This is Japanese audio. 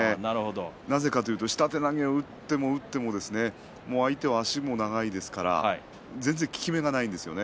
なぜかというと下手投げを打っても打っても相手の足が長いですから全然、効き目がないんですよね。